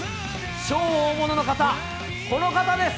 超大物の方、この方です。